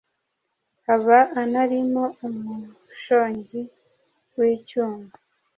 aba anarimo umushongi w’ icyuma